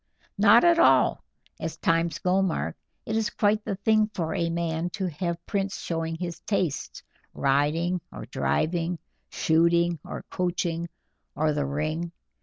"Not at all, as times go, Mark; it is quite the thing for a man to have prints showing his tastes, riding or driving, shooting or coaching, or the ring.